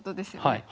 はい。